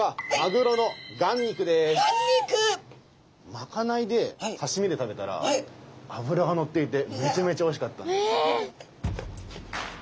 賄いで刺身で食べたら脂が乗っていてめちゃめちゃおいしかったんです。